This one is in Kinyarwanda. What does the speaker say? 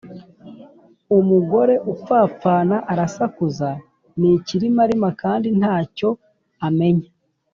umugore upfapfana arasakuza, ni ikirimarima kandi nta cyo amenya,